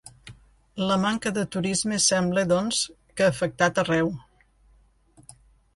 La manca de turisme sembla, doncs, que ha afectat arreu.